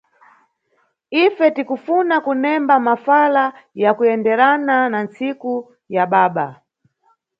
Ife tikufuna kunemba mafala ya kuyenderana na ntsiku ya baba.